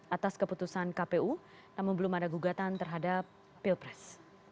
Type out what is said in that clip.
atas keputusan kpu namun belum ada gugatan terhadap pilpres